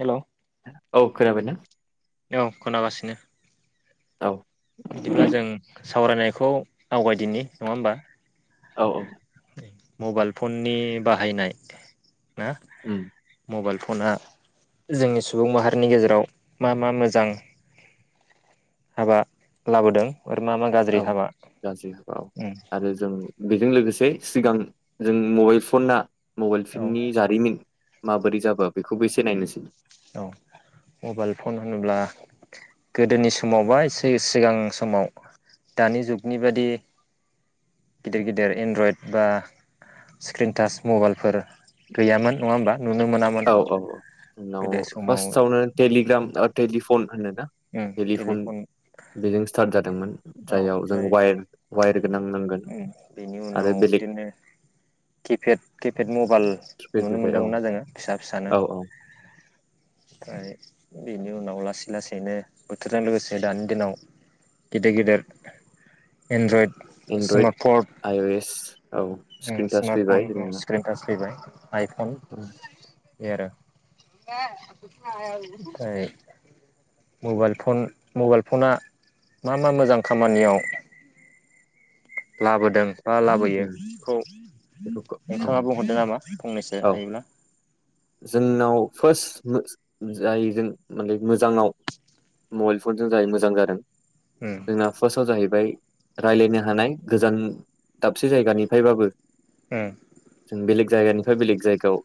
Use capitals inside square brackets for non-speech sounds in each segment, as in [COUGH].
Hello औ खोनाबायना? औ खोनागासिनो। औ बिदिब्ला जों सावरायनायखौ आवगायदिनि। नङा होमबा? औ औ। मबाइल फननि बाहायनाय ना उम मबाइल फना जोंनि सुबुं माहारिनि गेजेराव मा मा मोजां हाबा लाबोदों आरो मा मा गाज्रि औ हाबा गाज्रि औ उम आरो जों बेजों लोगोस सिगां जों मबाइल फना मबाइल औ सिंनि जारिमिन माबोरै जाबोआ बेखौबो एसे नायनोसै। औ मबाइल फन होनोब्ला गोदोनि समाव बा एसे सिगां समाव दानि जुगनि बादि गिदिर गिदिर एन्ड्रएड बा स्क्रिनटास मबाइलफोर गैयामोन। नङा होमबा? नुनो मोनामोन। नाव गोदो समाव फास्ट आवनो टेलिग्राम ओ टेलिफन होनो टेलिफन बेजों स्टाट जादोंमोन औ जायाव जों ओमफ्राय वायेर गोनां होननांगोन बेनि आरो उनाव बेलेग बिदिनो किपेड किपेड मबाइल नुनो फैफैबाय औ मोनदोंमोनना जोङो फिसा फिसानो औ औ ओमफ्राय बेनि उनाव लासै लासै बिनो बोथोरजों लोगोसे दानि दिनाव गिदिर गिदिर एन्ड्रयड एन्ड्रइड आइअएस औ स्क्रिन टास स्मार्टफन फैबाय स्क्रिन टाच फैबाय आइफन बे आरो [UNINTELLIGIBLE] मबाइल फन मबाइल फना मा मा मोजां खामानियाव लाबोदों बा लाबोयो बेखौ बेखौ नोंथाङा बुंहरदो नामा? फंनैसो औ हायोब्ला जोंनाव फार्स्ट जायजों माने मोजाङाव मबाइल फनजों जाय मोजां जादों उम जोंना फार्स्टआव जाहैबाय रायलायनो हानाय गोजान दाबसे जायगानिफ्रायबाबो उम जों बेलेग जायगानिफ्राय बेलेग जायगायाव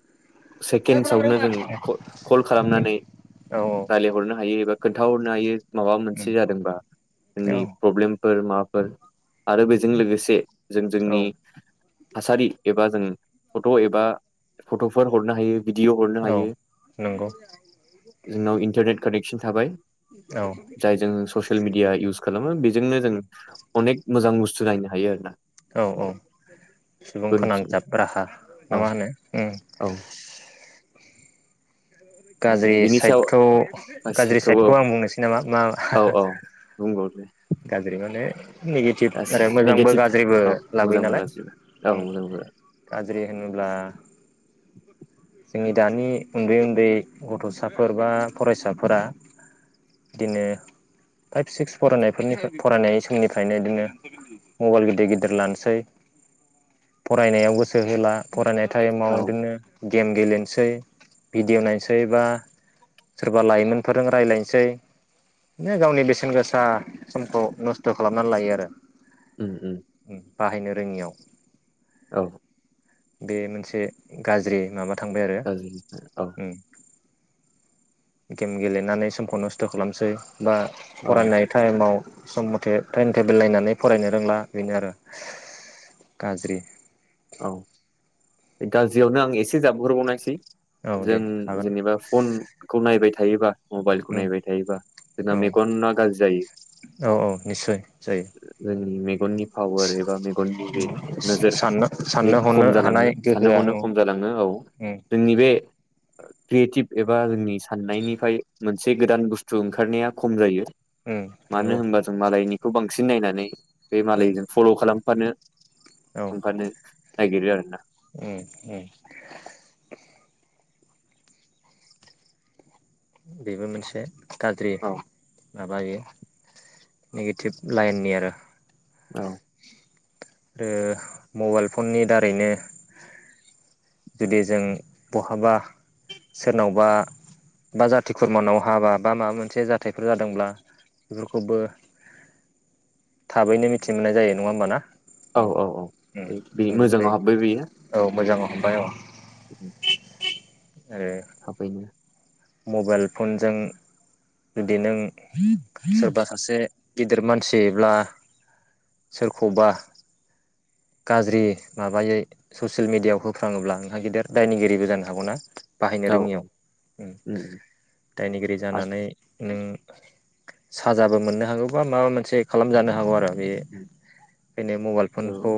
सेकेन्डसावनो जों कल कल खालामनानै औ रायलायहरनो हायो एबा गोथाव नायो। माबा उम मोनसे जादोंबा जोंनि औ प्रब्लेम फोर माफोर आरो बेजों लोगोसे जों जोंनि औ थासारि एबा जों फट' एबा फट'फोर हरनो हायो भिडिअ' हरनो औ हायो नंगौ जोंनाव इन्टारनेट कानेक्ट खिनथाबाय। औ जायजों ससियेल मिडिया इउस खालामो बेजोंनो जों अनेक मोजां बुस्थु नायनो हायो आरोना औ- औ सुबुं गोरोन्थिनो फोनांजाब राहा ना औ मा होनो उम औ गाज्रि माने बिनि सायाव साइदखौ गाज्रि गासैखौबो साइदखौ आं बुंनोसै नामा मा औ औ बुंबाव दे गाज्रि माने नेगेटिभ गासै आरो मोजांबो नेगेटिभ गाज्रिबो औ लाबोयो मोजांबो नालाय गाज्रिबो औ उम मोजांबो गाज्रि होनोब्ला जोंनि दानि उन्दै- उन्दै गथ'साफोर बा फरायसाफोरा बिदिनो फाइभ सिक्स फरायनाय बेफोरनिफ्राय फरायनाय समनिफ्रायनो बिदिनो मबाइल गिदिर गिदिर लानोसै फरायनायाव गोसो होला फरायनाय टाइमाव औ बिदिनो गेम गेलेनोसै भिडिय' नायनोसै बा सोरबा लाइमोनफोरजों रायज्लायनोसै बिदिनो गावनि बेसेन गोसा समखौ नस्थ' खालामनानै लायो आरो उम-उम बाहायनो रोङियाव औ बे मोनसे गाज्रि माबा थांबाय आरो गाज्रि औ उम गेम गेलेनानै समखौ नस्थ' खालामसै बा औ फरायनाय टाइमाव सम मथे टाइम टेबोल नायनानै फरायनो रोंला बेनो आरो गाज्रि। औ गाज्रियावनो आं एसे जाबहरबावनायसै औ दे जों हागोन जेनेबा फनखौ नायबाय हायोबा मबाइलखौ नायबाय थायोबा जोंना औ मेगना गाज्रि जायो। औ औ निस्सय जायो जों [INAUDIBLE] मेगननि पावार एबा मेगननि बे नोजोर साननो बे साननो हनो खम हानाय जालाङो साननो गोहोआ हनो औ खम जालाङो औ उम जोंनि बे क्रियेटिभ एबा जोंनि साननायनिफ्राय मोनसे गोदान बुस्थु ओंखारनाया खम जायो। उम नंगौ मानो होनबा जों मालायनि खौ बांसिन नायनानै बे उम मालायजों फल' खालाम फानो ओखानो नागिरो आरो ना ओम ओम बेबो मोनसे गाज्रि औ माबा इयो नेगेटिभ लाइननि आरो औ ओ मबाइल फननि दारैनो जुदि जों बहाबा सोरनावबा बा जाथि खुरमानाव हाबा बा माबा मोनसे जाथायफोर जादोंब्ला बेफोरखौबो थाबैनो मिथि मोननाय जायो नङा होमबाना औ उम औ औ उम बे सोंग्रोनाय मोजाङाव हाब्बाय बेयो औ [UNINTELLIGIBLE] [INAUDIBLE] आरो थाबैनो मबाइल फनजों जुदि नों सोरबा सासे गिदिर मानसिब्ला सोरखौबा गाज्रि माबायै ससियेल मिेडियाायाव होफ्राङोब्ला नोंहा गिदिर दायनिगिरिबो जानो हागौनाा बाहायनो औ औ रोङियाव ओम दायनिगिरि जानानै नों साजाबो मोननो हागौ बा माबा मोनसे खालामजानो हागौ आरो बे बेनो मबाइल फनखौ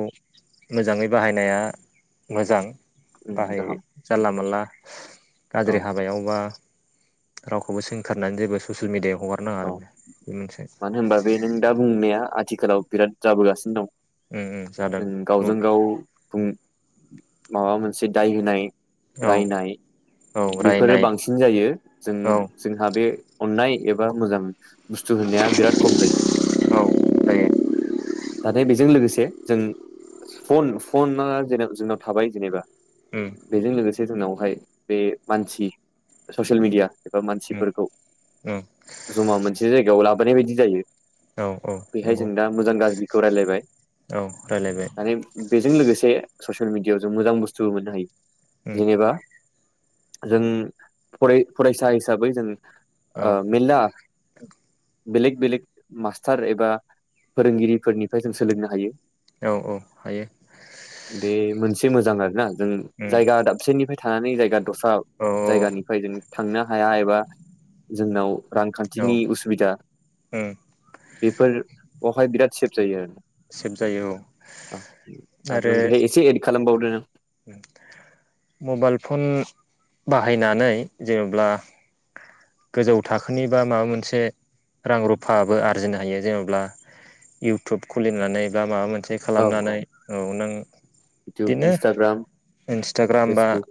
मोजाङै बाहायनाया मोजां बाहाय गाहाम जानला मानला औ गाज्रि हा रावखौबो सोंखारनानै जेबो ससियेल मिडियायाव हगारनाङा औ आरो बे मोनसे मानो होनबा बे नों दा बुंनाया आथिखालाव बिराद जाबोगासिनो दं उम उम जादों ओम गावजों गाव बुं माबा मोनसे दाय होनाय औ रायनाय औ बेफोरो रायनाय बांसिन जायो जों औ जोंहा बे अननाय मोजां बुस्थु होनाया बिराद खम जायो औ जायो नाथाय बेजों लोगोसे जों फन फना जे जोंनाव थाबाय जेनेबा उम बेजों लोगोसे जोंनावहाय बे मानसि ससियेल मिडिया एबा उम मानसिफोरखौ उम जमा मोनसे जायगायाव लाबोनाय बायदि जायो औ औ बेहाय नंगौ जों दा मोजां गाज्रिखौ रायलायबाय औ रायलायबाय माने बे बेजों लोगोसे ससियेल मिडिआव जों मोजां बुस्थुबो मोननो हायो उम जेनेबा जों फराय फरायसा हिसाबै जों औ ओ मेलला बेलेग बेलेग मास्टार एबा फोरोंगिरिफोरनिफ्राय जों सोलोंनो हायो औ औ हायो बे मोनसे मोजां आरो ना जों उम जायगा दाबसेनिफ्राय थाजागोन [INAUDIBLE] दस्रा औ जायगानिफ्राय जों थांनो हाया एबा जोंनाव औ रांखान्थिनि उसुबिदा उम बेफोर बहाय बिराद सेब जायो सेभ जायो औ आरो ओ आरो नों बेहाय एसे एड खालामबाव [UNINTELLIGIBLE] मबाइल फन बाहायनानै जेब्ला गोजौ थाखोनि बा माबा मोनसे रां रुफाबो आरजिनो हायो जेनेबा इउटुब खुलिनानै बा माबा मोन से खालामनानै औ नों इउटुब बिदिनो इन्सटाग्राम इन्सटाग्राम बा फेसबुक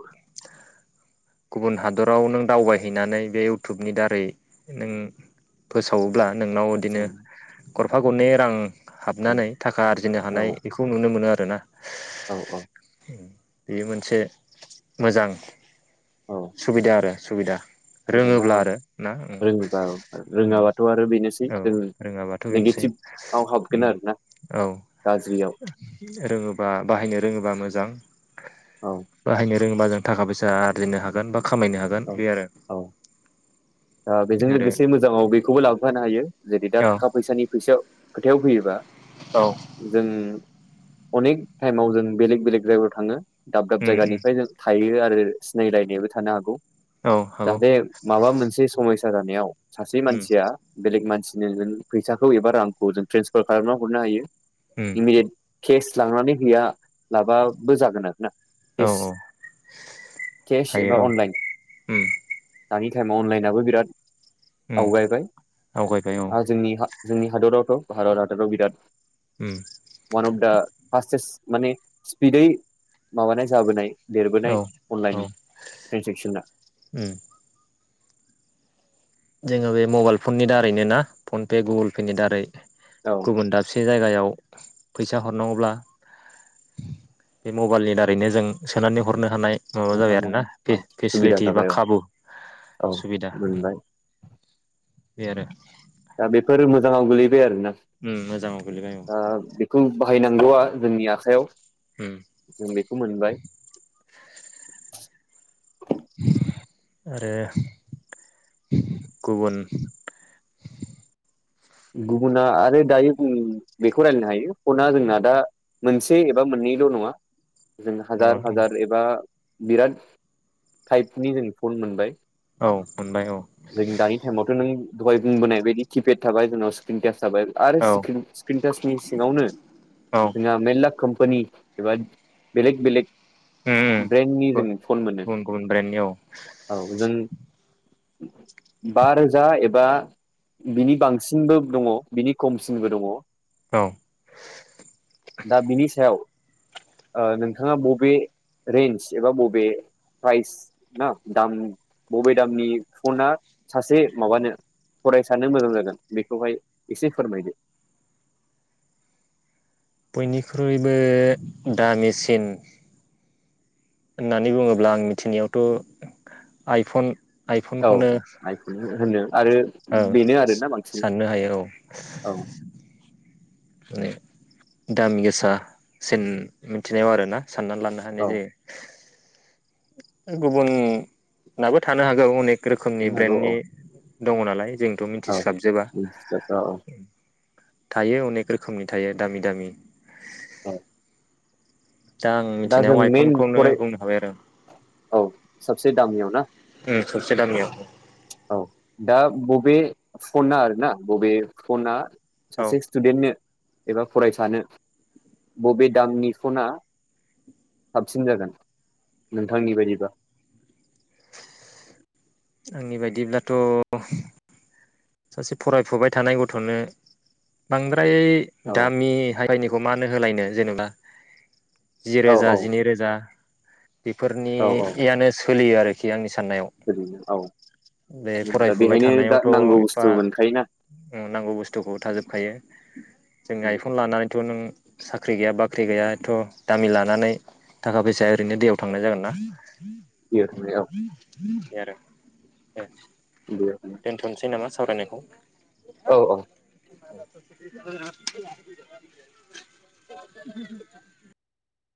गुबुन हादराव नों दावबायहैनानै बे इउटुबनि दारै नों फोसावो बाला नोंनाव बिदिनो औ एफा गरनै रां हाबनानै थाखा आरजिनो औ हानाय बेखौ नुनो मोनो आ रोना औ औ [INAUDIBLE] बेयो मोनसे मोजां औ सुबिदा आरो सुबिदा बिदिनो रोङोब्ला औ आरो ना उम रोङोबा औ उम रोङाबाथ' आरो बेनोसै औ जों रोङाबाथ' बेनोसै नेगेटिभआव हाबगोन उम आरोना औ गाज्रियाव रोङोबा बाहायनो रोङोबा मो जां औ बाहायनो जों माजों थाखा फैसा आरजिनो हागोन बा खामायनो हागोन बे आरो दा बेजों आरो लोगोसे मोजाङाव बेखौबो लाबोफानो हायो जेरै दा औ थाखा फैसानि फैसायाव खोथायाव फैयोबा औ जों अनेक टाइमाव जों बेलेग बेलेग जायगायाव थाङो दाब दाब उम उम जायगानिफ्राय जों थायो आ जेरै सिनायलायनायबो थानो हागौ औ हागौ जाहाथे माबा मोनसे फैसा जानायाव सासे उम मानसिया बेलेग मानसि बिदिनो जों फैसाखौ एबा रांखौ जों ट्रेन्सफार खालामना हरनो हायो। उम इमिडेट केस लांनानै हैया लाबाबो जागोन आरो ना औ औ केस हायो एबा औ अनलाइन उम दानि ताइमाव अनलाइनाबो दा उम आवगायबाय आवगायबाय औ आरो आ जोंनि जोंनि हादरावथ' भारत हादराव बिराद उम उवान अफ दा [UNINTELLIGIBLE] माने स्पिदै माबानाय जाबोनाय देरबोनाय औ औ अनलाइन ट्रेन्जेकसना उम जोङो बे मबाइल फननि दारैनो ना फन पे गुगोल पे नि दारै औ गुबुन दाबसे जायगायाव फैसा हरनांगौब्ला बे मबाइलनि दारैनो जों सोनानै हरनो हानाय माबा जायो हरनो आरोना हायो औ सुबिदा फेसिलिटि बा जाबाय खाबु औ सुबिदा मोनबाय बे आरो दा बेफोर मोजाङाव गोलैबाय आरोना उम मोजाङाव गोलैबाय औ दा बेखौ बाहायनांगौआ जोंनि आखायाव उम जों बेखौ मोनबाय आरो गुबन गुबुना आरो दायो बेखौ रायलायनो हायो फना जोंना दा मोनसे एबा मोननैल' नङा जों नङा हाजार हाजार एबा बिराद टाइपनि जों फन मोनबाय औ मोनबाय औ जों दानि टाइमावथ' नों दहाय बुंबोनायबादि किपेत थाबाय जोंनाव स्क्रिनटास थाबाय आरो औ स्क्रिन स्क्रिनतासनि सिङावनो औ जोंहा मेरला कम्पानि एबा बेलेक बेलेक उम ब्रेन्डनि जों फन मोनो गुबुन गुबुन ब्रेन्डनि औ औ जों बा रोजा एबा बिनि बांसिनबो दङ बिनि खमसिनबो दङ औ दा बिनि सायाव नोंथाङा बबे रेन्ज एबा बबे प्राइस ना दाम बबे दामनि फना सासे माबानो फरायसानो मोजां जागोन बेखौहाय एसे फोरमायदो। बयनिख्रुइबो दिमिसिन होननानै बुङोब्ला आं मिथिनायावथ' आइफन औ आइफनखौनो औ आइफनबो होनो आरो औ बेनो आरोना बांसिन साननो हायो औ औ माने दामि गोसासिन मिथिनायाव आरोना साननानै लानो हानाय औ जायो। गुबुन नाबो थानो हागौ अनेक रोखोमनि नों हागौ औ ब्रेन्डनि दङ नालाय जोंथ' औ मिथिस्लाबजोबा। औ थायो अनेख रोखोमनि थायो दामि दामि औ दा आं दा मिथिनायाव जों मेन आइफनखौनो फराय बुंनो हाबाय आरो औ सबसे दामियाव ना। सबसे दामियाव औ दा बबे फना आरोना बबे फना औ सासे स्टुडेन्टनो एबा फरायसानो बबे दामनि फना साबसिन जागोन नोंथांनि बायदिबा? आंनि बायदिब्लाथ' सासे फरायफुबाय थानाय गथ'नो बांद्रा औ [UNINTELLIGIBLE] दामि हा मानो होलायनो जेनेबा जि औ औ रोजा जिनै रोजा औ बेफोरनियानो सोलियो आरोखि आंनि साननायाव। ओरैनो औ बे दा फरायफुबाय बेहायनो दा थानायावथ' नांगौ एफा बुस्थु मोनखायोना नांगौ बुस्थुखौ थाजोबखायो [INAUDIBLE] जों आइफन लानानैथ' नों साख्रि गैया बाख्रि गैया एथ' दामि लानानै थाखा फैसाया ओरैनो दैयाव थांनाय जागोन ना। [INAUDIBLE] [INAUDIBLE] बेयाव थांनाय औ आरो [INAUDIBLE] बेयाव थांनाय दोनथ'नोसै नामा? सावरायनायखौ औ औ [UNINTELLIGIBLE]